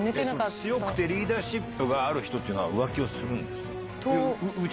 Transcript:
そういう人だってこと見抜け強くてリーダーシップがある人っていうのは、浮気をするんですか？